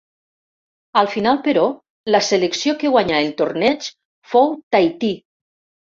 Al final però, la selecció que guanyà el torneig fou Tahití.